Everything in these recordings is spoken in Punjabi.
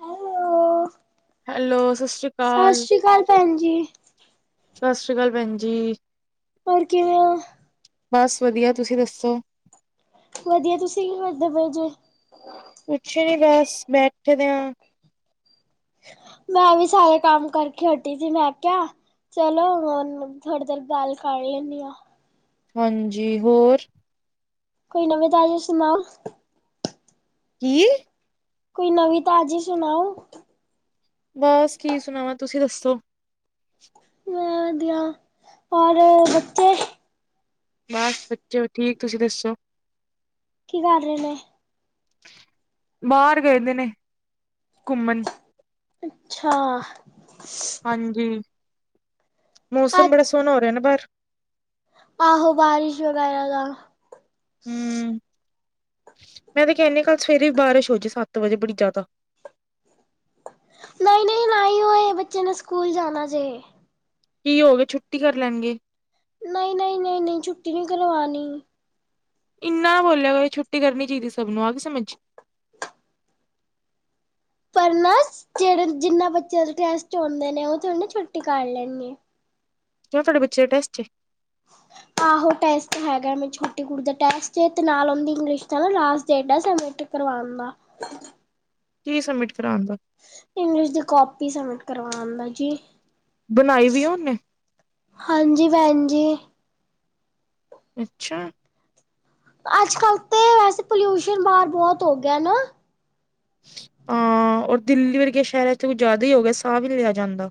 ਹੈਲੋ ਹੈਲੋ, ਸ਼੍ਰੀ ਸਤਿ ਅਕਾਲ। ਸ਼੍ਰੀ ਅਕਾਲ ਭੈਣ ਜੀ ਸਤਿ ਸ਼੍ਰੀ ਅਕਾਲ ਭੈਣ ਜੀ ਹੋਰ ਕਿਵੇਂ ਹੋ ਬਸ ਵਧੀਆ ਤੁਸੀਂ ਦੱਸੋ ਵਧੀਆ ਤੁਸੀਂ ਕੀ ਕਰਦੇ ਪਏ ਜੇ ਕੁਛ ਨੀ ਬਸ ਬੈਠਦੇ ਆ ਮੈਂ ਵੀ ਸਾਰੇ ਕੰਮ ਕਰਕੇ ਹਟੀ ਸੀ ਮੈਂ ਕਿਹਾ ਚਲੋ ਹੁਣ ਥੋੜੀ ਦੇਰ ਗੱਲ ਕਰ ਲੈਂਦੀ ਆ ਹਾਂਜੀ ਹੋਰ ਕੋਈ ਨਵੀਂ ਤਾਜ਼ੀ ਸੁਣਾਓ ਕੀ ਕੋਈ ਨਵੀਂ ਤਾਜ਼ੀ ਸੁਣਾਓ ਬਸ ਕੀ ਸੁਣਾਵਾ ਤੁਸੀਂ ਦੱਸੋ। ਮੈਂ ਵਧੀਆ ਔਰ ਬੱਚੇ ਬਸ ਬੱਚੇ ਵੀ ਠੀਕ ਤੁਸੀਂ ਦੱਸੋ ਕੀ ਕਰ ਰਹੇ ਨੇ ਬਾਹਰ ਗਏਦੇ ਨੇ ਘੁੰਮਣ ਅੱਛਾ ਹਾਂਜੀ ਅ ਮੌਸਮ ਬੜਾ ਸੋਹਣਾ ਹੋ ਰਿਹਾ ਨਾ ਬਾਹਰ ਆਹੋ, ਬਾਰਿਸ਼ ਵਗੈਰਾ ਦਾ। ਹੂੰ। ਮੈਂ ਤੇ ਕੇਨੀ ਕੱਲ ਸਵੇਰੇ ਵੀ ਬਾਰਿਸ਼ ਹੋ ਜੇ ਸੱਤ ਵਜੇ ਬੜੀ ਜਾਦਾ। ਨਈ ਨਈ ਨਾਈ ਹੋਏ, ਬੱਚੇ ਨੇ ਸਕੂਲ ਜਾਣਾ ਜੇ। ਕੀ ਹੋ ਗੇ ਛੁੱਟੀ ਕਰ ਲੈਣਗੇ। ਨਈ ਨਈ ਨਈ ਨਈ ਛੁੱਟੀ ਨੀ ਕਰਵਾਨੀ। ਇੰਨਾ ਬੋਲੇਆ ਕਰ ਛੁੱਟੀ ਕਰਨੀ ਚਾਈਦੀ ਸਭ ਨੂੰ, ਆ ਗੀ ਸਮਝ। ਪਰ ਨਾ ਜੇੜੇ ਜਿੰਨਾ ਬੱਚੇਆਂ ਦੇ ਟੈਸਟ ਹੋਂਦੇ ਨੇ ਓ ਥੋੜੀ ਨਾ ਛੁੱਟੀ ਕਰ ਲੈਨਗੇ। ਕੇਓਂ ਤਾਡੇ ਬੱਚੇਆਂ ਦੇ ਟੈਸਟ ਏ? [inaudible] ਆਹੋ ਟੈਸਟ ਹੈਗਾ। ਮੇਰੀ ਛੋਟੀ ਕੁੜੀ ਦਾ ਟੈਸਟ ਏ ਤੇ ਨਾਲ ਓਂਦੀ ਇੰਗਲਿਸ਼ ਦਾ ਨਾ ਲਾਸਟ ਡੇਟ ਆ ਸਬਮਿਟ ਕਰਵਾਨ ਦਾ। ਕੀ ਸਬਮਿਟ ਕਰਾਨ ਦਾ? ਇੰਗਲਿਸ਼ ਦੀ ਕੋਪੀ ਸਬਮਿਟ ਕਰਵਾਨ ਦਾ ਜੀ। ਬਣਾਈ ਵੀ ਏ ਓਨੇ? ਹਾਂਜੀ ਭੈਣ ਜੀ। ਅੱਛਾ। ਅੱਜ ਕੱਲ ਤੇ ਵੈਸੇ ਪੋਲਿਊਸ਼ਨ ਬਾਰ ਬੋਤ ਹੋ ਗੇਆ ਨਾ। ਹਾਂ, ਔਰ ਦਿੱਲੀ ਵਰਗੇ ਸੈ਼ਰਾਂ ਚ ਤੇ ਕੁਛ ਜਾਦਾ ਈ ਹੋ ਗੇਆ। ਸਾ ਵੀ ਨੀ ਲੇਆ ਜਾਂਦਾ।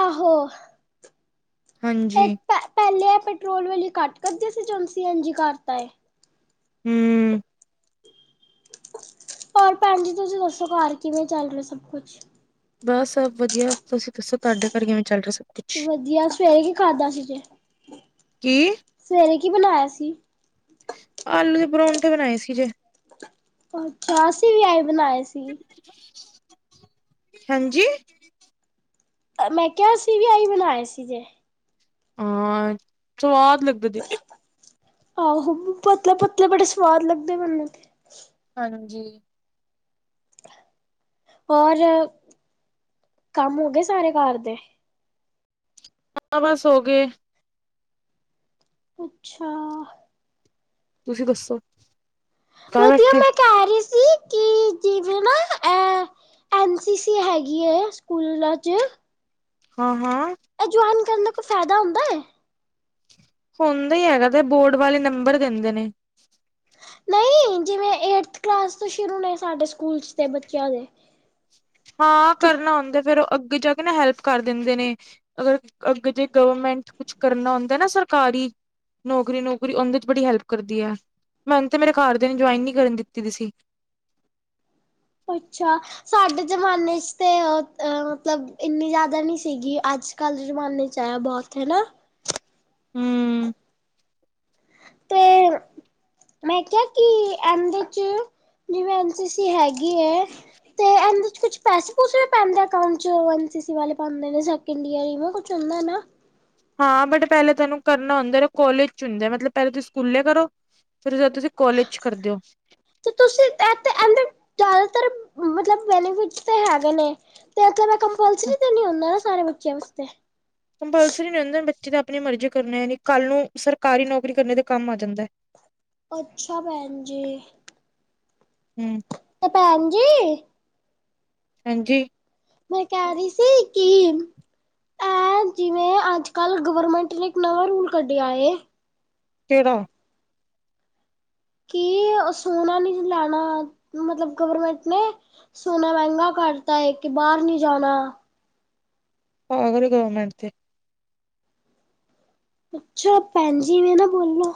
ਆਹੋ। ਹਾਂਜੀ। ਪੈ ਪੈਲੇ ਐ ਪੈਟਰੋਲ ਵਾਲੀ ਘੱਟ ਕਰਦੇ ਸੀ ਜੋ ਸੀ ਏਨ ਜੀ ਕਰਤਾ ਏ। ਹੂੰ। ਪਰ ਭੈਣ ਜੀ ਤੁਸੀਂ ਦੱਸੋ ਘਰ ਕਿਵੇਂ ਚੱਲ ਰੇਆ ਸਭ ਕੁਛ। ਬਸ ਸਭ ਵਧੀਆ ਤੁਸੀ ਦੱਸੋ ਤਾਡੇ ਘਰ ਕਿਵੇਂ ਚੱਲ ਰੇਆ ਸਭ ਕੁਛ? ਵਧੀਆ ਸਵੇਰੇ ਕੀ ਖਾਧਾ ਸੀ ਜੇ? ਕੀ? ਸਵੇਰੇ ਕੀ ਬਨਾਏਆ ਸੀ? ਆਲੂ ਦੇ ਪਰੌਂਠੇ ਬਨਾਏ ਸੀ ਜੇ। ਅੱਛਾ, ਅਸੀ ਵੀ ਐਈ ਬਨਾਏ ਸੀ। ਹਾਂਜੀ। ਮੈਂ ਕੇਆ ਅਸੀ ਵੀ ਐਈ ਬਨਾਏ ਸੀ ਜੇ। ਹਾਂ, ਸਵਾਦ ਲੱਗਦੇ ਜੇ। ਆਹੋ, ਪਤਲੇ ਪਤਲੇ ਬੜੇ ਸਵਾਦ ਲੱਗਦੇ ਮੇਨੂੰ ਤੇ। ਹਾਂਜੀ। ਔਰ ਕੰਮ ਹੋਗੇ ਸਾਰੇ ਘਰ ਦੇ? ਤਾਂ ਬਸ ਹੋਗੇ। ਅੱਛਾ। ਤੁਸੀ ਦੱਸੋ ਕਰ ਵਧੀਆ ਬੈਠੇ? ਮੈਂ ਕਹਿ ਰਹੀ ਸੀ ਕਿ ਜਿਵੇਂ ਨਾ ਐ ਐਨ ਸੀ ਸੀ ਹੈਗੀ ਏ ਸਕੂਲਾਂ ਚ। ਹਾਂ ਹਾਂ। ਐ ਜੁਆਏਨ ਕਰਨ ਦਾ ਕੋਈ ਫੈਦਾ ਹੁੰਦਾ ਏ? ਹੁੰਦਾ ਈ ਹੈਗਾ ਤੇ ਬੋਰਡ ਵਾਲੇ ਨੰਬਰ ਦੇਂਦੇ ਨੇ। ਨਈ, ਜਿਵੇਂ ਏਟਥ ਕਲਾਸ ਤੋਂ ਸ਼ੁਰੂ ਨੇ ਸਾਡੇ ਸਕੂਲ ਚ ਤੇ ਬੱਚੇਆਂ ਦੇ। ਹਾਂ ਕਰਨਾ ਹੁੰਦ ਫੇਰ ਅੱਗੇ ਜਾ ਕੇ ਨਾ ਹੈਲਪ ਕਰ ਦੇਂਦੇ ਨੇ। ਅਗਰ ਅੱਗੇ ਜੇ ਗਵਰਮੈਂਟ ਕੁਛ ਕਰਨਾ ਹੁੰਦਾ ਐ ਨਾ ਸਰਕਾਰੀ ਨੌਕਰੀ ਨੂਕਰੀ ਓਂਦੇ ਚ ਬੜੀ ਹੈਲਪ ਕਰਦੀ ਐ। ਮੈਨ ਤੇ ਮੇਰੇ ਘਰ ਦੇਆਂ ਨੇ ਜੁਆਇਨ ਨੀ ਕਰਨ ਦਿੱਤੀ ਦੀ ਸੀ। ਅੱਛਾ ਸਾਡੇ ਜ਼ਮਾਨੇ ਚ ਤੇ ਮਤਲਬ ਇੰਨੀ ਜ਼ਿਆਦਾ ਨੀ ਸੀਗੀ ਅੱਜ ਕੱਲ ਦੇ ਜਮਾਨੇ ਚ ਹੈ ਬਹੁਤ ਹੈਨਾ? ਹਮ। ਤੇ [inaudible] ਮੈਂ ਕਿਹਾ ਕਿ ਐਮ ਦੇ ਚ ਜਿਵੇਂ ਐਨ ਸੀ ਸੀ ਹੈਗੀ ਐ ਤੇ ਇਹਦੇ ਚ ਕੁਛ ਪੈਸੇ ਪੂਸੇ ਵੀ ਪੈਂਦੇ ਅਕਾਊਂਟ ਚ ਐਨ ਸੀ ਸੀ ਵਾਲੇ ਪਾਉਂਦੇ ਨੇ ਇੰਡੀਆਂ [unintelligible] ਕੁਛ ਹੁੰਦਾ ਨਾ ਹਾਂ ਬਟ ਪਹਿਲਾਂ ਤੁਹਾਨੂੰ ਕਰਨਾ ਹੁੰਦਾ ਨਾ ਕੋਲਜ ਚ ਹੁੰਦਾ ਮਤਲਬ ਪਹਿਲ ਤੁਸੀਂ ਸਕੂਲੇ ਕਰੋ ਫੇਰ ਓਸਤੋਂ ਬਾਅਦ ਤੁਸੀਂ ਕੋਲਜ ਕਰਦੇ ਹੋ। ਤੇ ਤੁਸੀਂ ਇ ਇਹਦੇ ਜਿਆਦਾਤਰ ਮਤਲਬ ਬੈਨੀਫਿਟ ਤੇ ਹੈਗੇ ਨੇ ਤੇ ਇਹ ਕਿਹਾ ਮੈਂ ਕੰਪਲਸਰੀ ਤੇ ਨੀ ਹੁੰਦਾ ਨਾ ਸਾਰੇ ਬੱਚਿਆਂ ਵਾਸਤੇ? ਕੰਪਲਸਰੀ ਨਹੀਂ ਹੁੰਦਾ ਬੱਚੇ ਤਾਂ ਆਪਣੀ ਮਰਜ਼ੀ ਕਰੇ [unintelligible] ਕੱਲ੍ਹ ਨੂੰ ਸਰਕਾਰੀ ਨੌਕਰੀ ਕਰਨ ਤੇ ਕੰਮ ਆ ਜਾਂਦਾ। ਅੱਛਾ ਭੈਣ ਜੀ। ਹਮ। ਤੇ ਭੈਣ ਜੀ ਹਾਂਜੀ। ਮੈਂ ਕਹਿ ਰਹੀ ਸੀ ਕੀ ਐਂ ਜਿਵੇਂ ਅੱਜ ਕੱਲ੍ਹ ਗਵਰਮੈਂਟ ਨੇ ਇੱਕ ਨਵਾਂ ਰੂਲ ਕੱਢਿਆ ਏ ਕੇਡਾ? ਕੀ ਸੋਨਾ ਨੀ ਲੈਣਾ ਮਤਲਬ ਗਵਰਮੈਂਟ ਨੇ ਸੋਨਾ ਮਹਿੰਗਾ ਕਰਤਾ ਏ ਕੇ ਬਾਹਰ ਨੀ ਜਾਣਾ। [unintelligible] ਗਵਰਮੈਂਟ ਤੇ ਅੱਛਾ ਭੈਣ ਜੀ [unintelligible] ਬੋਲੋ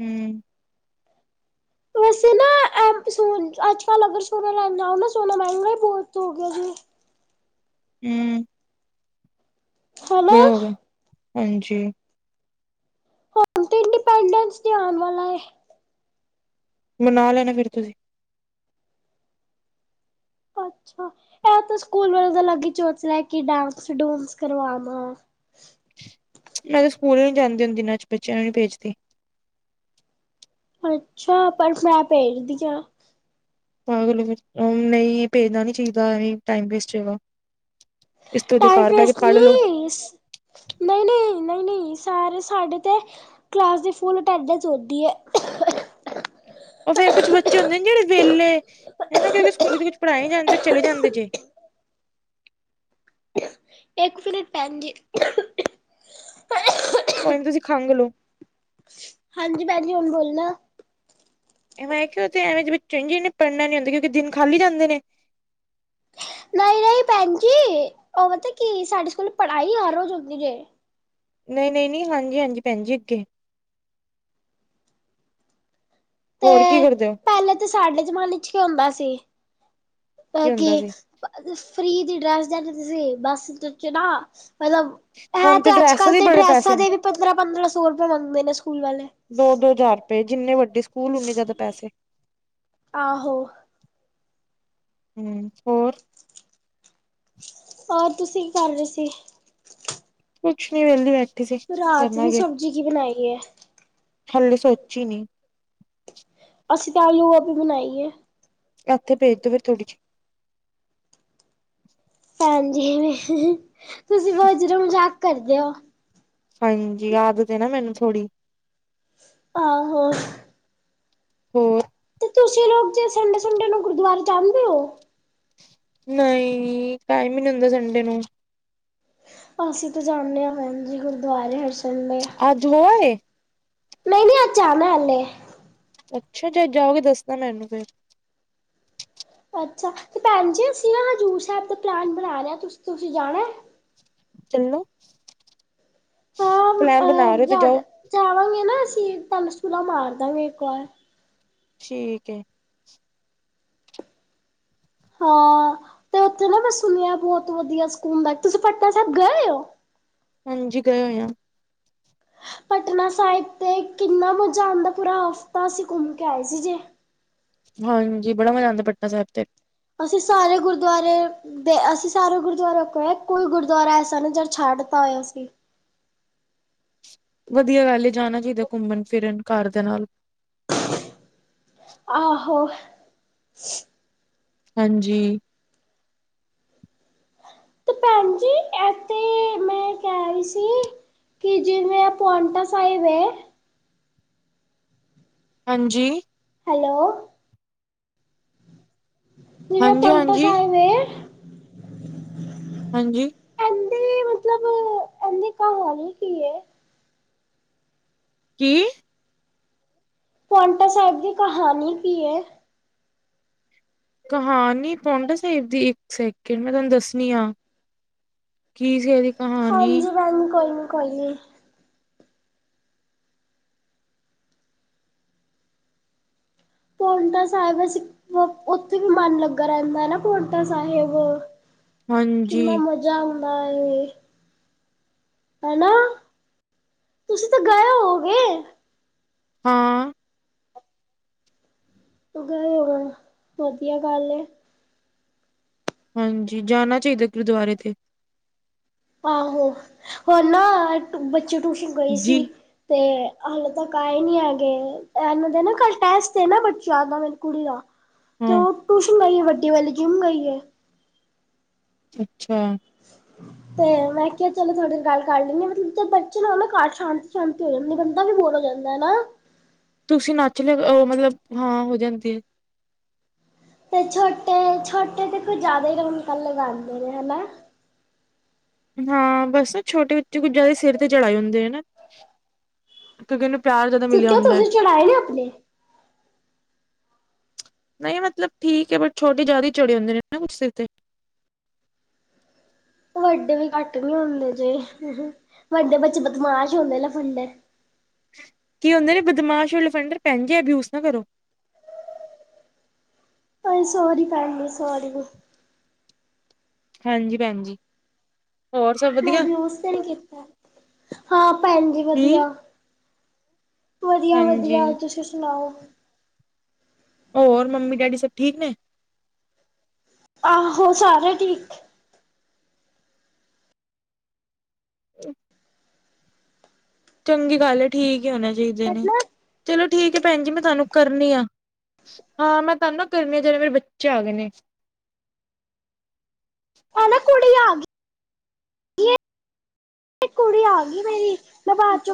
ਹਮ। ਵੈਸੇ ਨਾ [unintelligible] ਅੱਜ ਕੱਲ ਅਗਰ ਸੋਨਾ ਲੈਣ ਜਾਓ ਨਾ ਸੋਨਾ ਮਹਿੰਗਾ ਈ ਬਹੁਤ ਹੋ ਗਿਆ ਜੇ। ਹਮ। ਹੈਨਾ [unintelligible] ਹਾਂਜੀ। ਹੁਣ ਤੇ ਇੰਨਡੀਪਡੈਂਸ ਡੇ ਆਉਣ ਵਾਲਾ ਏ। ਮਨਾ ਲੈਣਾ ਫੇਰ ਤੁਸੀਂ। ਅੱਛਾ ਇਹ ਤਾਂ ਸਕੂਲ ਵਾਲੇ ਦਾ ਅਲੱਗ ਈ ਚੋਚਲਾ ਕਿ ਡਾਂਸ ਡੂੰਸ ਕਰਵਾਨਾ। ਮੈਂ ਤਾਂ ਸਕੂਲ ਨੀ ਜਾਂਦੀ ਹੁੰਦੀ ਨਾ [unintelligible] ਬੱਚਿਆਂ ਨੂੰ ਨੀ ਭੇਜਦੀ। ਅੱਛਾ ਪਰ ਮੈਂ ਭੇਜਦੀ ਆ। ਪਾਗਲ ਹੋ ਫੇਰ ਨਹੀਂ ਭੇਜਣਾ ਨੀ ਚਾਹੀਦਾ ਇਹ ਟਾਈਮ ਵੇਸਟ ਹੈਗਾ। ਟਾਈਮ ਵੇਸਟ ਲੋ। ਨੀ ਨਹੀਂ ਨਹੀਂ ਨਹੀਂ ਨਹੀਂ ਸਾਰੇ ਸਾਡੇ ਤੇ ਕਲਾਸ ਦੀ ਫੁੱਲ ਅਟੈਂਡੈਂਸ ਹੁੰਦੀ ਐ ਉਹ ਫੇਰ ਕੁਛ ਬੱਚੇ ਹੁੰਦੇ ਨੇ ਜਿਹੜੇ ਵੇਹਲੇ ਕਿਉਂਕਿ ਸਕੂਲ ਦੇ ਵਿੱਚ ਪੜ੍ਹਾਾਈ ਜਾਂਦੇ ਚਲੇ ਜਾਂਦੇ ਜੇ। ਇੱਕ ਮਿੰਟ ਭੈਣ ਜੀ। ਕੋਈ ਨੀ ਤੁਸੀਂ ਖੰਘ ਲੋੋ। ਹਾਂਜੀ ਭੈਣ ਜੀ ਹੁਣ ਬੋਲਣਾ। [inaudible] ਇਵੇਂ ਜਿਵੇ ਬੱਚੇ ਨੇ ਜਿਹਨੇ ਪੜਨਾ ਨੀ ਹੁੰਦਾ ਕਿਉਂਕਿ ਦਿਨ ਖਾਲੀ ਜਾਂਦੇ ਨੇ। ਨਹੀਂ ਨਹੀਂ ਭੈਣ ਜੀ ਉਹ ਪਤਾ ਕੀ ਸਾਡੇ ਸਕੂਲ ਪੜ੍ਹਾਈ ਹਰ ਰੋਜ਼ ਹੁੰਦੀ ਜੇ। ਨਹੀਂ ਨਹੀਂ ਨਹੀਂ ਹਾਂਜੀ ਹਾਂਜੀ ਭੈਣ ਜੀ ਅੱਗੇ ਤੇ ਹੋਰ ਕੀ ਕਰਦੇ ਓ? ਪਹਿਲੇ ਤੇ ਸਾਡੇ ਜ਼ਮਾਨੇ ਚ ਕੀ ਹੁੰਦਾ ਸੀ। ਐ ਕੀ ਕੇ ਹੁੰਦਾ ਸੀ ਫਰੀ ਦੀ ਡਰੈਸ ਦਾ ਤੇ ਤੁਸੀਂ ਬਸ ਤ ਚੜਾ ਮਲਬ ਐ ਹੁਣ ਤੇ ਡਰੈਸ ਅੱਜ-ਕੱਲ੍ਹ ਦੇ ਤੇ ਬੜੇ ਡਰੈਸਾਂ ਪੈਸੇ ਨੇ ਦੇ ਵੀ ਪੰਦਰਾਂ-ਪੰਦਰਾਂ ਸੌ ਰੁਪਏ ਮੰਗਦੇ ਨੇ ਸਕੂਲ ਵਾਲੇ। ਦੋ-ਦੋ ਜ਼ਾਰ ਰੁਪਏ ਜਿੰਨੇ ਵੱਡੇ ਸਕੂਲ ਉਨੇ ਜੈਦਾ ਪੈਸੇ। ਆਹੋ। ਹੂੰ, ਹੋਰ ਆ ਤੁਸੀਂ ਕੀ ਕਰ ਰੇ ਸੀ? ਕੁਛ ਨੀ ਵੇਲੀ ਬੈਠੀ ਸੀ। ਕਰਨਾ ਕੀ। ਜੀ ਕੀ ਬਣਾਈ ਏ? ਹਲੇ ਸੋਚੀ ਨੀ। ਅਸੀ ਤਾਂ ਆਲੂ-ਗੋਬੀ ਬਣਾਈ ਏ। ਐਥੇ ਭੇਜ ਦੋ ਫੇਰ ਥੋੜੀ ਜੀ। ਹਾਂਜੀ, ਤੁਸੀਂ ਬੌਤ ਜੈਦਾ ਮਜਾਕ ਕਰਦੇ ਓ। ਹਾਂਜੀ, ਆਦਤ ਏ ਨਾ ਮੈਨੂੰ ਥੋੜ੍ਹੀ। ਆਹੋ। ਹੋਰ ਤੇ ਤੁਸੀਂ ਲੋਕ ਜੇ ਸੰਡੇ-ਸੁੰਡੇ ਨੂੰ ਗੁਰਦੁਆਰੇ ਜਾਂਦੇ ਓ? ਨਹੀਂ, ਟਾਈਮ ਈ ਨੀ ਹੁੰਦਾ ਸੰਡੇ ਨੂੰ। ਅਸੀਂ ਤਾਂ ਜਾਨੇ ਆ ਭੈਣਜੀ ਗੁਰਦੁਆਰੇ ਹਰ ਸੰ ਅੱਜ ਹੋ ਆਏ? ਨਹੀਂ-ਨਹੀਂ, ਅੱਜ ਜਾਣੈ ਹਲੇ। ਅੱਛਾ, ਜਦ ਜਾਓਗੇ ਦੱਸਣਾ ਮੈਨੂੰ ਫੇਰ। ਅੱਛਾ, ਤੇ ਭੈਣ ਜੀ ਅਸੀਂ ਨਾ ਹਜ਼ੂਰ ਸੈਬ ਦਾ ਪਲੈਨ ਬਣਾ ਰੇ ਆ, ਤੁਸ ਤੁਸੀਂ ਜਾਣੈ? ਚੱਲੋ, ਹਾਂ ਪਲੈਨ ਬਣਾ ਰੇ ਅਹ ਓ ਤੇ ਜਾ ਜਾਓ। ਜਾਵਾਂਗੇ ਨਾ ਅਸੀਂ ਤਾਨੂੰ ਸੁਲਾ ਮਾਰ ਦਾ ਗੇ ਇੱਕ ਵਾਰ। ਠੀਕ ਏ। ਹਾਂ, ਤੇ ਓਥੇ ਨਾ ਮੈਂ ਸੁਣਿਐ ਬੌਤ ਵਧੀਆ ਸਕੂੰਬ ਐ। ਤੁਸੀਂ ਪਟਨਾ ਸੈਬ ਗਏ ਓ? ਹਾਂਜੀ ਗਏ ਹੋਣੇ ਆ। ਪਟਨਾ ਸਾਹਿਬ ਤੇ ਕਿੰਨਾ ਮਜਾ ਆਂਦਾ ਪੂਰਾ ਹਫ਼ਤਾ ਅਸੀਂ ਘੁੰਮ ਕੇ ਆਏ ਸੀ ਜੇ। ਹਾਂਜੀ, ਬੜਾ ਮਜ਼ਾ ਆਂਦੈ ਪਟਨਾ ਸੈਬ ਤੇ। ਅਸੀਂ ਸਾਰੇ ਗੁਰਦੁਆਰੇ ਦੇ ਅਸੀਂ ਸਾਰੇ ਗੁਰਦੁਆਰਾ ਹੋਕੇ ਆਏ ਕੋਈ ਗੁਰਦੁਆਰਾ ਐਸਾ ਨੀ ਜੇਦ ਛੱਡ ਤਾ ਹੋਏ ਅਸੀਂ। ਵਧੀਆ ਗੱਲ ਏ, ਜਾਣਾ ਚਾਈਦੈ ਘੁੰਮਣ-ਫਿਰਨ ਘਰ ਦੇਆ ਨਾਲ। ਆਹੋ। ਹਾਂਜੀ। ਭੈਣ ਜੀ ਤੇ ਇਥੇ ਮੈਂ ਕੈ ਰੀ ਸੀ ਕਿ ਜਿਵੇਂ ਐ ਪੋੰਟਾ ਸਾਹਿਬ ਏ ਹਾਂਜੀ। ਹੈਲੋ। ਜਿਵੇਂ ਹਾਂਜੀ ਪੋੰਟਾ ਹਾਂਜੀ ਸਾਹਿਬ ਏ ਹਾਂਜੀ। ਐੰਦੀ ਮਤਲਬ ਐੰਦੀ ਕਹਾਣੀ ਕੀ ਏ? ਕੀ? ਪੋੰਟਾ ਸੈਬ ਦੀ ਕਹਾਣੀ ਕੀ ਏ? ਕਹਾਣੀ ਪੋੰਟਾ ਸਾਹਿਬ ਦੀ, ਇੱਕ ਸੈਕਿੰਡ ਮੈਂ ਤੁਆਨ ਦੱਸਣੀ ਆਂ। ਕੀ ਸੀ ਐਦੀ ਹਾਂਜੀ ਬੈਨ ਕੋਈ ਨੀ ਕੋਈ ਨੀ ਪੋੰਟਾ ਸਾਹਿਬ ਅਸੀ ਉੱਥੇ ਵੀ ਮਨ ਲੱਗਾ ਰਹਿੰਦਾ ਐ ਨਾ ਪੋੰਟਾ ਸਾਹਿਬ। ਹਾਂਜੀ ਕਿੰਨਾ ਮਜ਼ਾ ਆੰਦਾ ਏ ਹੈਨਾ ਤੁਸੀਂ ਤਾਂ ਗਏ ਹੋਔਗੇ ਹਾਂ। ਗਏ ਹੋਣੇ ਵਦੀਆ ਗੱਲ ਏ ਹਾਂਜੀ ਜਾਨਾ ਚਾਹੀਦਾ ਗੁਰਦੁਆਰੇ ਤੇ ਆਹੋ ਹੋਨ ਨਾ ਬੱਚੇ ਟਿਊਸ਼ਨ ਗਈ ਜੀ ਸੀ ਤੇ ਹਾਲੇ ਤੱਕ ਆਏ ਨੀ ਹੈਗੇ ਇਹਨਾਂ ਦੇ ਨਾ ਕਲ ਟੈਸਟ ਏ ਨਾ ਬ [unintelligible] ਤੇ ਹਾਂ ਓਹ ਟਿਊਸ਼ਨ ਗਈ ਵਡੀ ਵਾਲੀ ਜਿਮ ਗਈ ਏ ਅੱਛਾ। ਤੇ ਮੈਂ ਕਿਹਾ ਚਲੋ ਥੋੜੀ ਦੇਰ ਗੱਲ ਕਰ ਲੈਂਨੀ ਆ ਮਤਲਬ ਜ ਬੱਚੇ ਨਾ ਹੋਣ ਘਰ ਸ਼ਾਂਤੀ ਸ਼ਾਂਤੀ ਹੋ ਜਾਂਦੀ ਬੰਦਾ ਵੀ ਬੋਰ ਹੋ ਜਾਂਦਾ। [unintelligible] ਤੁਸੀਂ ਨੱਚ ਲਿਆ ਉਹ ਮਤਲਬ ਹਾਂ ਹੋ ਜਾਂਦੀ ਏ ਤੇ ਛੋਟੇ ਛੋਟੇ ਤਾਂ ਕੁਝ ਜ਼ਿਆਦਾ ਹੀ ਰੋਣਕਾ ਲਗਾੰਦੇ ਨੇ ਹੈਨਾ। ਹਾਂ ਬਸ ਨਾ ਛੋਟੇ ਬੱਚੇ ਕੁੱਝ ਜਿਆਦਾ ਸਿਰ ਤੇ ਚੜਾਏ ਹੁੰਦੇ ਹੈਨਾ। ਕਿਉਕਿ ਓਨੂੰ ਪਿਆਰ ਜਿਆਦਾ ਤੂੰ ਮਿਲਿਆ ਕਿਉਂ ਹੁੰਦਾ ਹੈ। ਤੁਸੀਂ ਚੜਾਏ ਨੇ ਆਪਣੇ ਨਹੀਂ ਮਤਲਬ ਠੀਕ ਏ ਬਟ ਛੋਟੇ ਜਿਆਦਾ ਹੀ ਚੜੇ ਹੁੰਦੇ ਨੇ ਕੁਛ ਸਿਰ ਤੇ। ਵੱਡੇ ਵੀ ਘੱਟ ਨੀ ਹੁੰਦੇ ਜੇ ਵੱਡੇ ਬੱਚੇ ਬਦਮਾਸ਼ ਹੁੰਦੇ ਨਾ ਲਫੰਡਰ ਕੀ ਹੁੰਦੇ ਨੇ ਬਦਮਾਸ਼ ਔਰ ਲਫੰਡਰ ਪੈਨ ਜੀ ਇਹ ਵਿਯੂਜ ਨਾ ਕਰੋ ਸੋਰੀ ਪੈਣ ਜੀ ਸੋਰੀ ਹਾਂਜੀ ਪੈਣਜੀ। ਮੈਂ ਵਿਯੁਜ ਤੇ ਨੀ ਕੀਤਾ ਹਾਂ ਪੈਣ ਜੀ ਹੂੰ ਵਦੀਆ। ਵਦੀਆ ਹਾਂਜੀ ਵਦੀਆ ਤੁਸੀਂ ਸੁਣਾਓ। ਹੋਰ ਮੰਮੀ ਡੈਡੀ ਸਭ ਠੀਕ ਨੇ। ਆਹੋ ਸਾਰੇ ਠੀਕ। [unintelligible] ਚੰਗੀ ਗੱਲ ਏ ਠੀਕ ਹੀ ਹੋਨੇ ਚਾਹੀਦੇ ਨੇ ਨਾ ਚਲੋ ਠੀਕ ਐ ਪੈਣ ਜੀ ਮੈਂ ਤੁਹਾਨੂੰ ਕਰਨੀ ਆ ਹਾਂ ਮੈਂ ਤੁਹਾਨੂੰ ਨਾ ਕਰਨੀ ਆ ਜਿਹੜੇ ਮੇਰੇ ਬੱਚੇ ਆ ਗਏ ਨੇ। ਉਹ ਨਾ ਕੁੜੀ ਆਗੀ। [unintelligible] ਕੁੜੀ ਆ ਗਈ ਮੇਰੀ ਮੈਂ ਬਾਦ 'ਚ